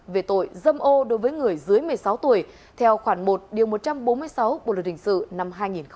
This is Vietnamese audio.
về tội dâm ô đối với người dưới một mươi sáu tuổi theo khoảng một một trăm bốn mươi sáu bộ luật hình sự năm hai nghìn một mươi năm